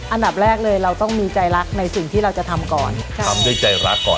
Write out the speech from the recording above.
อันดับแรกเลยเราต้องมีใจรักในสิ่งที่เราจะทำก่อนทำด้วยใจรักก่อน